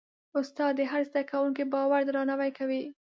استاد د هر زده کوونکي باور درناوی کوي.